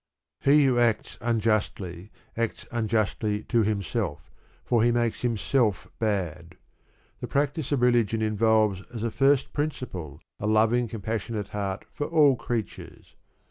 He who acts unjustly acts unjustly to himself, for he makes himself bad. The practice of religion involves as a first principle a loving compassionate heart for all creatures.